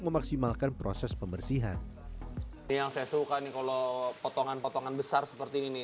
memaksimalkan proses pembersihan yang saya suka nih kalau potongan potongan besar seperti ini